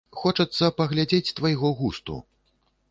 Хочацца паглядзець твайго густу.